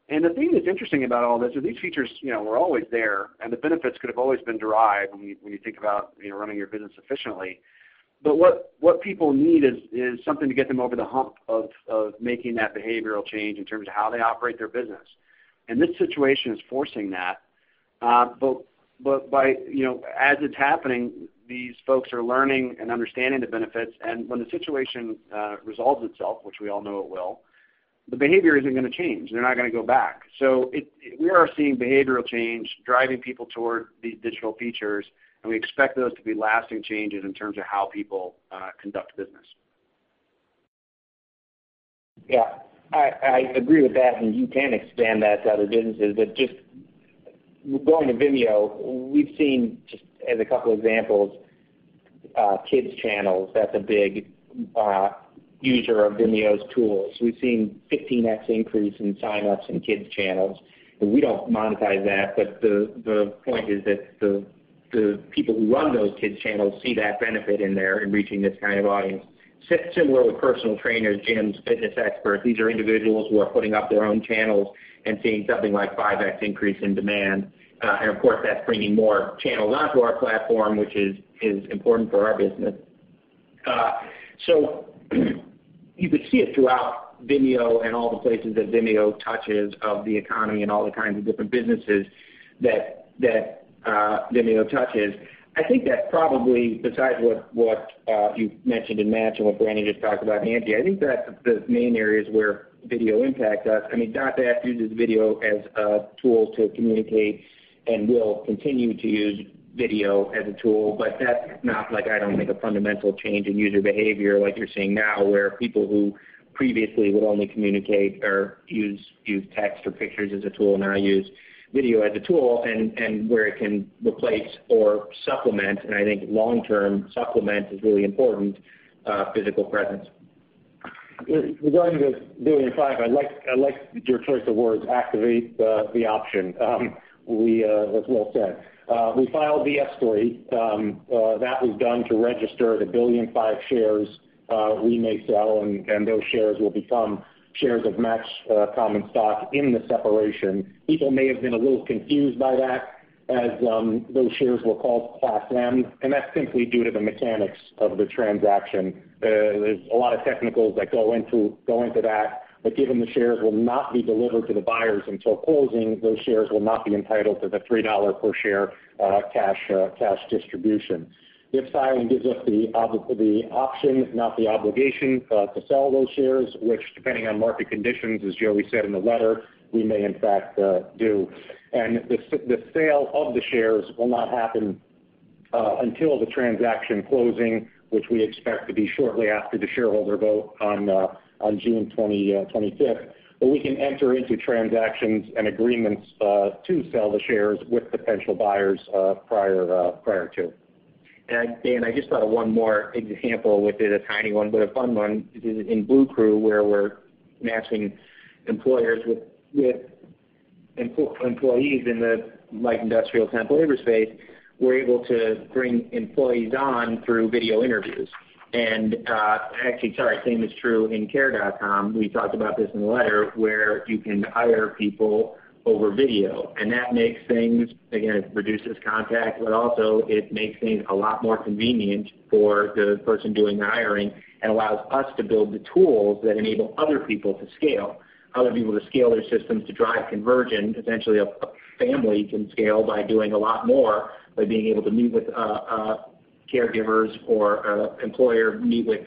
The thing that's interesting about all this is these features were always there, and the benefits could have always been derived when you think about running your business efficiently. What people need is something to get them over the hump of making that behavioral change in terms of how they operate their business. This situation is forcing that. As it's happening, these folks are learning and understanding the benefits, and when the situation resolves itself, which we all know it will, the behavior isn't going to change. They're not going to go back. We are seeing behavioral change driving people toward these digital features, and we expect those to be lasting changes in terms of how people conduct business. Yeah. I agree with that. You can expand that to other businesses. Just going to Vimeo, we've seen just as a couple examples, kids channels, that's a big user of Vimeo's tools. We've seen 15x increase in sign-ups in kids channels. We don't monetize that, the point is that the people who run those kids channels see that benefit in there in reaching this kind of audience. Similar with personal trainers, gyms, fitness experts. These are individuals who are putting up their own channels and seeing something like 5x increase in demand. Of course, that's bringing more channels onto our platform, which is important for our business. You could see it throughout Vimeo and all the places that Vimeo touches of the economy and all the kinds of different businesses that Vimeo touches. I think that probably, besides what you mentioned in Match and what Brandon just talked about in ANGI, I think that's the main areas where video impacts us. Dotdash uses video as a tool to communicate and will continue to use video as a tool, but that's not like I don't make a fundamental change in user behavior like you're seeing now, where people who previously would only communicate or use text or pictures as a tool now use video as a tool and where it can replace or supplement, and I think long-term supplement is really important, physical presence. Regarding the 1.5 billion, I like your choice of words, activate the option. As well said. We filed the S-3. That was done to register the 1.5 billion shares we may sell, and those shares will become shares of Match common stock in the separation. People may have been a little confused by that as those shares were called Class M, and that's simply due to the mechanics of the transaction. There's a lot of technicals that go into that, but given the shares will not be delivered to the buyers until closing, those shares will not be entitled to the $3 per share cash distribution. This filing gives us the option, not the obligation, to sell those shares, which, depending on market conditions, as Joey said in the letter, we may in fact do. The sale of the shares will not happen until the transaction closing, which we expect to be shortly after the shareholder vote on June 25th. We can enter into transactions and agreements to sell the shares with potential buyers prior to. Dan, I just thought of one more example with it, a tiny one, but a fun one, in Bluecrew, where we're matching employers with employees in the light industrial temp labor space. We're able to bring employees on through video interviews. Actually, sorry, same is true in Care.com. We talked about this in the letter, where you can hire people over video, and that makes things, again, it reduces contact, but also it makes things a lot more convenient for the person doing the hiring and allows us to build the tools that enable other people to scale. Other people to scale their systems to drive conversion, potentially a family can scale by doing a lot more by being able to meet with caregivers or employer meet with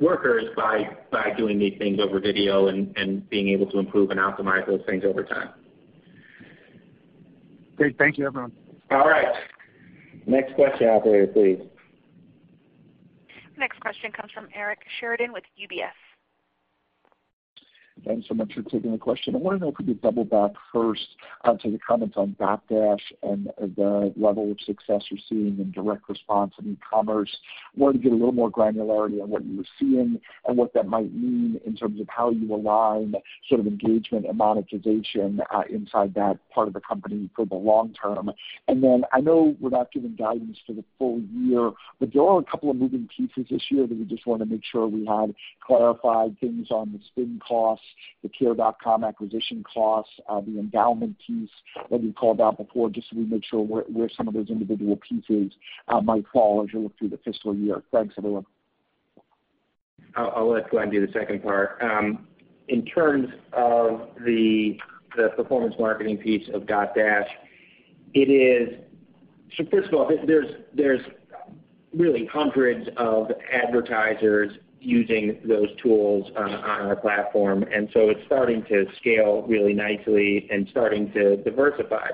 workers by doing these things over video and being able to improve and optimize those things over time. Great. Thank you, everyone. All right. Next question operator, please. Next question comes from Eric Sheridan with UBS. Thanks so much for taking the question. I want to know if we could double back first to the comments on Dotdash and the level of success you're seeing in direct response in e-commerce. I wanted to get a little more granularity on what you were seeing and what that might mean in terms of how you align sort of engagement and monetization inside that part of the company for the long term. I know we're not giving guidance for the full year, but there are a couple of moving pieces this year that we just want to make sure we had clarified things on the spin costs, the Care.com acquisition costs, the endowment piece that we've called out before, just so we make sure where some of those individual pieces might fall as we look through the fiscal year. Thanks everyone. I'll let Glenn do the second part. In terms of the performance marketing piece of Dotdash, first of all, there's really hundreds of advertisers using those tools on our platform, and so it's starting to scale really nicely and starting to diversify.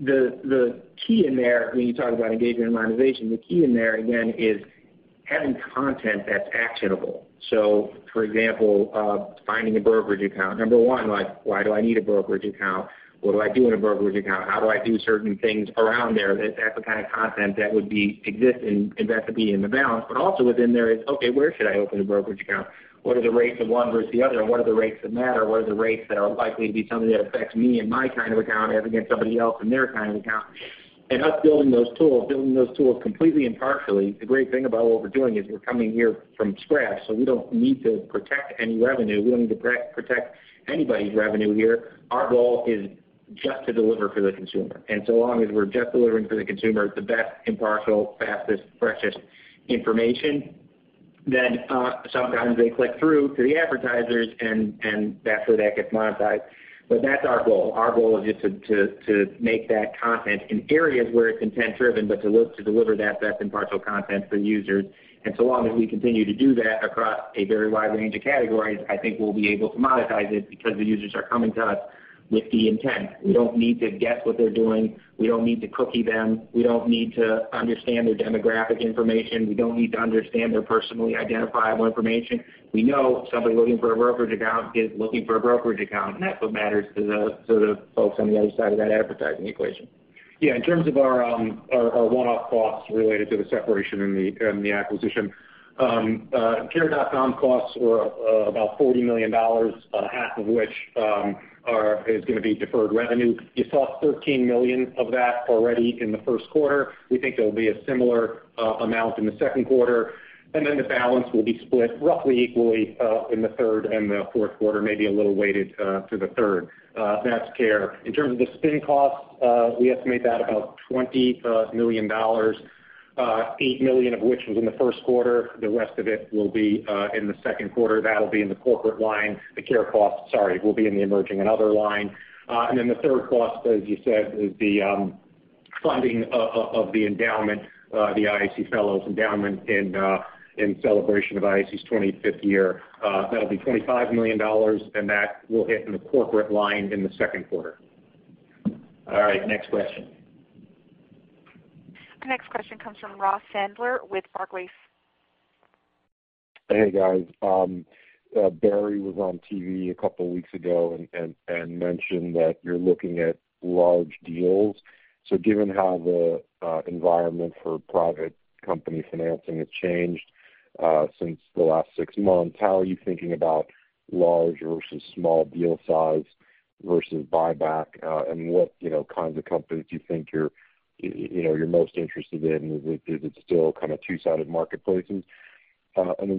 The key in there when you talk about engagement and monetization, the key in there again is having content that's actionable. For example, finding a brokerage account, number one, like why do I need a brokerage account? What do I do in a brokerage account? How do I do certain things around there? That's the kind of content that would exist in Investopedia and The Balance, but also within there is, okay, where should I open a brokerage account? What are the rates of one versus the other? What are the rates that matter? What are the rates that are likely to be something that affects me and my kind of account as against somebody else and their kind of account? Us building those tools, building those tools completely impartially. The great thing about what we're doing is we're coming here from scratch, so we don't need to protect any revenue. We don't need to protect anybody's revenue here. Our goal is just to deliver for the consumer, and so long as we're just delivering for the consumer the best impartial, fastest, freshest information, then sometimes they click through to the advertisers and that's where that gets monetized. That's our goal. Our goal is just to make that content in areas where it's content-driven, but to look to deliver that best impartial content for users. So long as we continue to do that across a very wide range of categories, I think we'll be able to monetize it because the users are coming to us with the intent. We don't need to guess what they're doing. We don't need to cookie them. We don't need to understand their demographic information. We don't need to understand their personally identifiable information. We know somebody looking for a brokerage account is looking for a brokerage account, and that's what matters to the folks on the other side of that advertising equation. In terms of our one-off costs related to the separation and the acquisition. Care.com costs were about $40 million, half of which is going to be deferred revenue. You saw $13 million of that already in the first quarter. We think there'll be a similar amount in the second quarter, and then the balance will be split roughly equally in the third and the fourth quarter, maybe a little weighted to the third. That's Care. In terms of the spin costs, we estimate that about $20 million, $8 million of which was in the first quarter. The rest of it will be in the second quarter. That'll be in the corporate line. The Care cost, sorry, will be in the emerging and other line. The third cost, as you said, is the funding of the endowment, the IAC Fellows endowment in celebration of IAC's 25th year. That'll be $25 million, and that will hit in the corporate line in the second quarter. All right. Next question. The next question comes from Ross Sandler with Barclays. Hey, guys. Barry was on TV a couple weeks ago and mentioned that you're looking at large deals. Given how the environment for private company financing has changed since the last six months, how are you thinking about large versus small deal size versus buyback? What kinds of companies do you think you're most interested in? Is it still kind of two-sided marketplaces?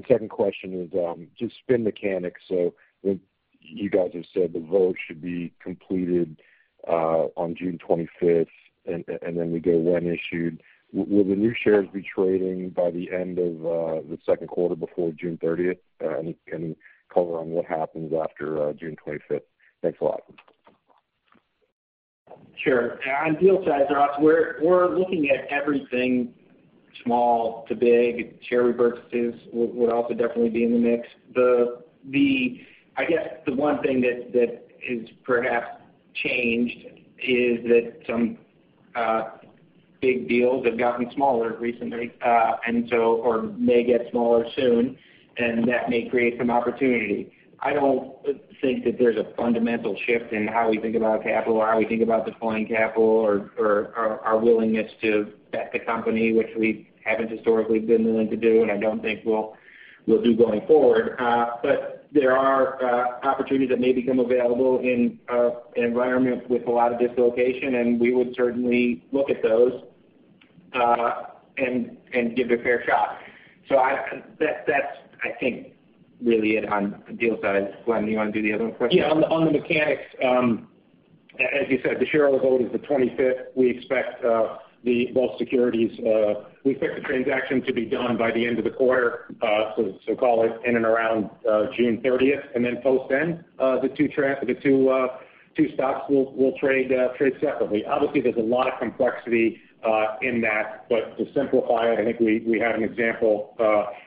Second question is just spin mechanics. You guys have said the vote should be completed on June 25th, and then we go when issued. Will the new shares be trading by the end of the second quarter before June 30th? Any color on what happens after June 25th? Thanks a lot. Sure. On deal size, Ross, we're looking at everything small to big. [Cherryberg purchases] would also definitely be in the mix. I guess the one thing that has perhaps changed is that some big deals have gotten smaller recently, and so or may get smaller soon, and that may create some opportunity. I don't think that there's a fundamental shift in how we think about capital or how we think about deploying capital or our willingness to back the company, which we haven't historically been willing to do, and I don't think we'll do going forward. There are opportunities that may become available in an environment with a lot of dislocation, and we would certainly look at those and give it a fair shot. That's I think really it on deal size. Glenn, you want to do the other question? Yeah. On the mechanics. As you said, the shareholder vote is the 25th. We expect both securities, the transaction to be done by the end of the quarter, call it in and around June 30th, post then, the two stocks will trade separately. Obviously, there's a lot of complexity in that, to simplify it, I think we had an example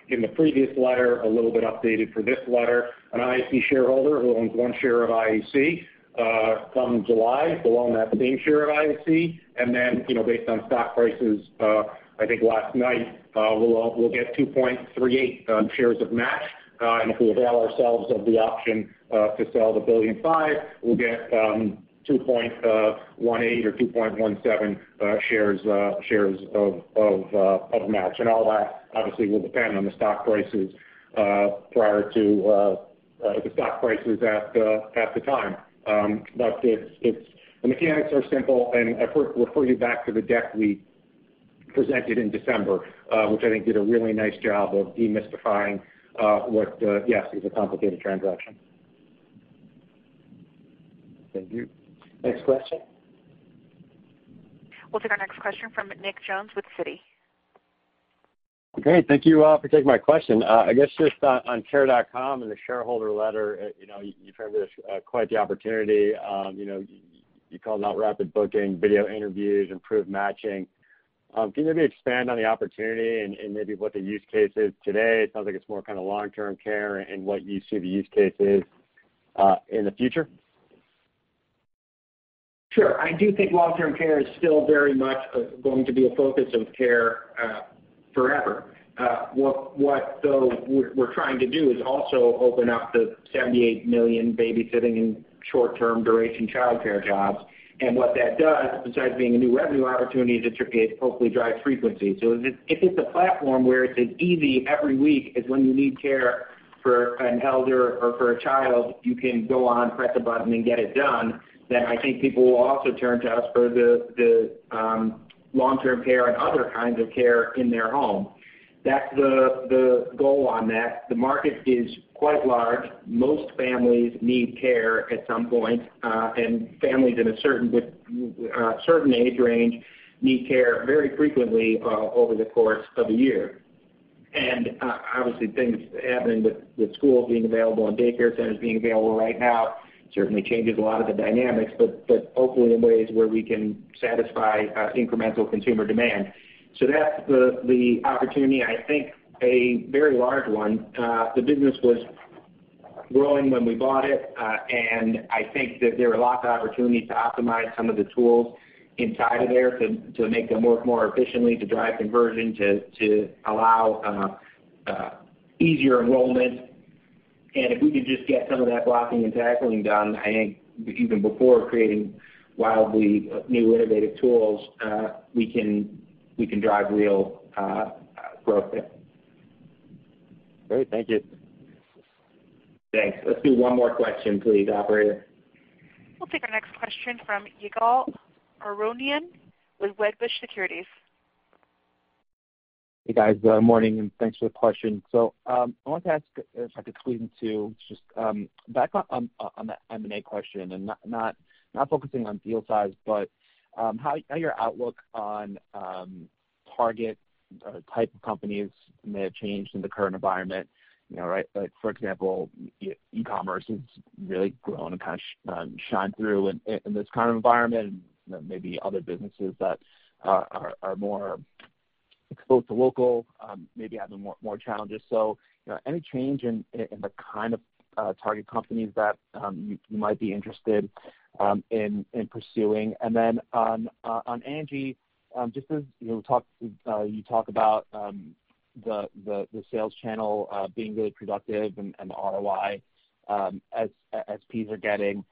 in the previous letter, a little bit updated for this letter. An IAC shareholder who owns one share of IAC come July will own that same share of IAC. Based on stock prices, I think last night, will get 2.38 shares of Match. If we avail ourselves of the option to sell the $1.5 billion, we'll get 2.18 or 2.17 shares of Match. All that obviously will depend on the stock prices at the time. The mechanics are simple, and I refer you back to the deck we presented in December, which I think did a really nice job of demystifying what, yes, is a complicated transaction. Thank you. Next question. We'll take our next question from Nick Jones with Citi. Great. Thank you all for taking my question. I guess, just on Care.com and the shareholder letter, you framed it as quite the opportunity. You called out rapid booking, video interviews, improved matching. Can you maybe expand on the opportunity and maybe what the use case is today? It sounds like it's more kind of long-term care and what you see the use case is in the future. Sure. I do think long-term care is still very much going to be a focus of care forever. What though we're trying to do is also open up the 78 million babysitting and short-term duration childcare jobs. What that does, besides being a new revenue opportunity, is it hopefully drives frequency. If it's a platform where it's as easy every week as when you need care for an elder or for a child, you can go on, press a button, and get it done, then I think people will also turn to us for the long-term care and other kinds of care in their home. That's the goal on that. The market is quite large. Most families need care at some point, and families in a certain age range need care very frequently over the course of a year. Obviously things happening with schools being available and daycare centers being available right now certainly changes a lot of the dynamics, but hopefully in ways where we can satisfy incremental consumer demand. That's the opportunity. I think a very large one. The business was growing when we bought it. I think that there are lots of opportunities to optimize some of the tools inside of there to make them work more efficiently, to drive conversion, to allow easier enrollment. If we could just get some of that blocking and tackling done, I think even before creating wildly new innovative tools, we can drive real growth there. Great. Thank you. Thanks. Let's do one more question, please, operator. We'll take our next question from Ygal Arounian with Wedbush Securities. Hey, guys. Morning. Thanks for the question. I wanted to ask, if I could squeeze in two, just back on the M&A question, not focusing on deal size, but how your outlook on target type of companies may have changed in the current environment. For example, e-commerce has really grown and kind of shined through in this kind of environment, and maybe other businesses that are more exposed to local, maybe having more challenges. Any change in the kind of target companies that you might be interested in pursuing? On ANGI, just as you talk about the sales channel being really productive and the ROI SPs are getting,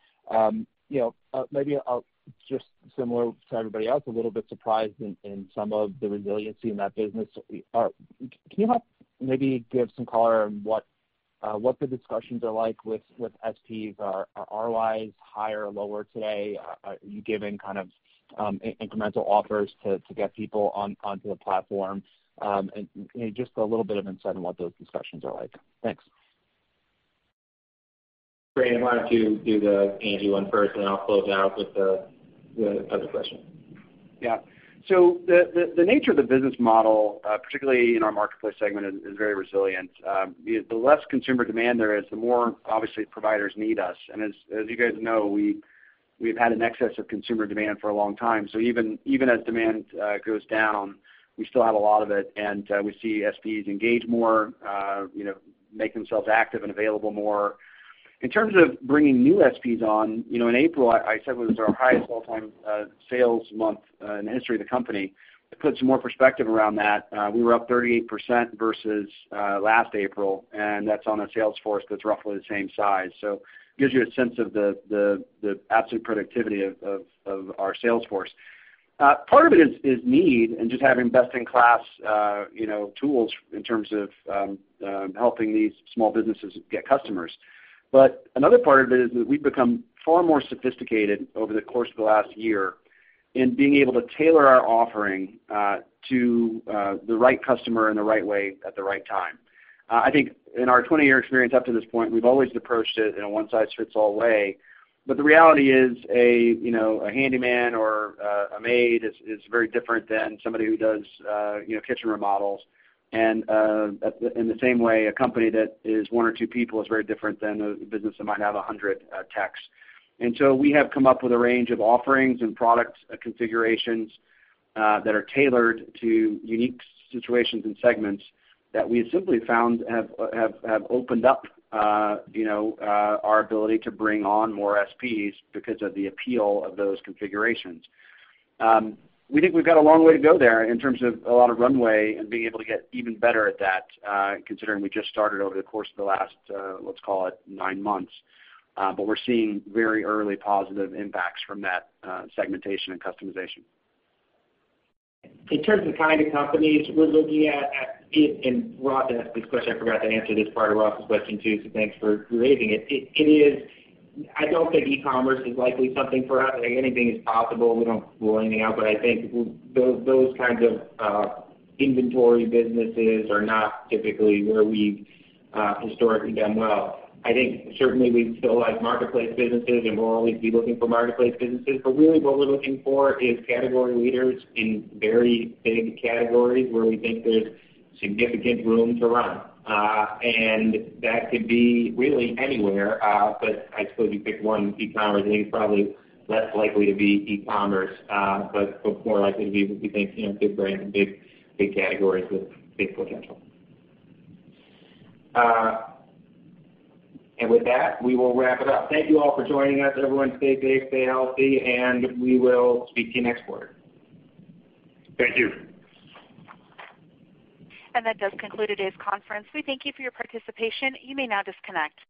maybe I'll just similar to everybody else, a little bit surprised in some of the resiliency in that business. Can you help maybe give some color on what the discussions are like with SPs? Are ROIs higher or lower today? Are you giving incremental offers to get people onto the platform? Just a little bit of insight on what those discussions are like. Thanks. Brandon, why don't you do the ANGI one first, and I'll close out with the other question. Yeah. The nature of the business model, particularly in our marketplace segment, is very resilient. The less consumer demand there is, the more obviously providers need us. As you guys know, we've had an excess of consumer demand for a long time. Even as demand goes down, we still have a lot of it, and we see SPs engage more, make themselves active and available more. In terms of bringing new SPs on, in April I said was our highest all-time sales month in the history of the company. To put some more perspective around that, we were up 38% versus last April, and that's on a sales force that's roughly the same size. Gives you a sense of the absolute productivity of our sales force. Part of it is need and just having best-in-class tools in terms of helping these small businesses get customers. Another part of it is that we've become far more sophisticated over the course of the last year in being able to tailor our offering to the right customer in the right way at the right time. I think in our 20-year experience up to this point, we've always approached it in a one-size-fits-all way. The reality is a handyman or a maid is very different than somebody who does kitchen remodels, and in the same way, a company that is one or two people is very different than a business that might have 100 techs. We have come up with a range of offerings and product configurations that are tailored to unique situations and segments that we have simply found have opened up our ability to bring on more SPs because of the appeal of those configurations. We think we've got a long way to go there in terms of a lot of runway and being able to get even better at that, considering we just started over the course of the last, let's call it nine months. We're seeing very early positive impacts from that segmentation and customization. In terms of the kind of companies we're looking at, Ross asked this question, I forgot to answer this part of Ross's question, too. Thanks for raising it. I don't think e-commerce is likely something for us. Anything is possible. We don't rule anything out. I think those kinds of inventory businesses are not typically where we've historically done well. I think certainly we still like marketplace businesses, we'll always be looking for marketplace businesses. Really what we're looking for is category leaders in very big categories where we think there's significant room to run. That could be really anywhere. I suppose if you pick one, e-commerce, I think it's probably less likely to be e-commerce, but more likely to be what we think big brands and big categories with big potential. With that, we will wrap it up. Thank you all for joining us. Everyone stay safe, stay healthy. We will speak to you next quarter. Thank you. That does conclude today's conference. We thank you for your participation. You may now disconnect.